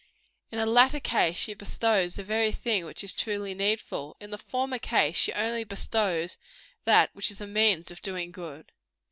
In the latter case, she bestows the very thing which is truly needful; in the former case, she only bestows that which is a means of doing good.